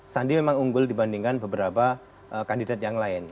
sandi memang unggul dibandingkan beberapa kandidat yang lain